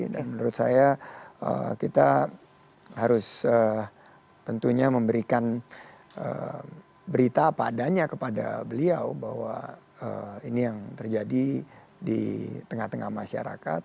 dan menurut saya kita harus tentunya memberikan berita padanya kepada beliau bahwa ini yang terjadi di tengah tengah masyarakat